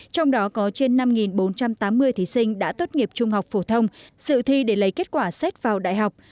trong đó có trên năm bốn trăm tám mươi thí sinh đã tốt nghiệp trung học phổ thông sự thi để lấy kết quả xét vào đại học